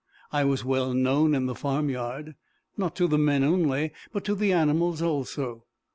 I was well known in the farmyard, not to the men only, but to the animals also.